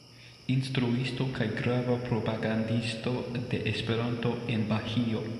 Instruisto kaj grava propagandisto de Esperanto en Bahio.